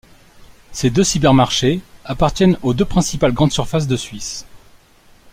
Ces deux cybermarchés appartiennent aux deux principales grandes surfaces de Suisse.